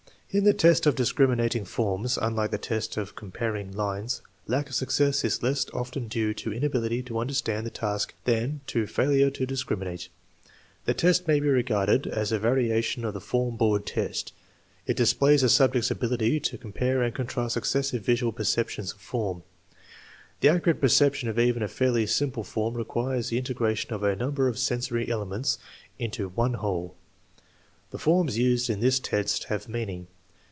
In the test of discriminating forms, unlike the test of comparing lines, lack of success is less often due to inability to understand the task than to failure to dis criminate. The test may be regarded as a variation of the form board test. It displays the subject's ability to com pare and contrast successive visual perceptions of form. The accurate perception of even a fairly simple form requires the integration of a number of sensory elements into one whole. The forms used in this test have meaning.